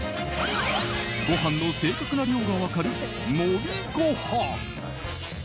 ごはんの正確な量が分かる盛りごはん。